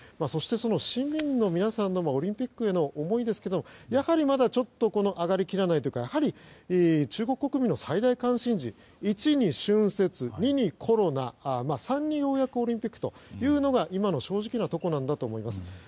そして市民の皆さんのオリンピックの思いですがやはり、まだちょっと上がりきらないというか中国国民の最大関心事は１に春節、２にコロナ３に、ようやくオリンピックというのが今の正直なところなんだと思います。